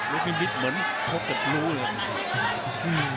ลบนิดเหมือนทบติดรู้เลย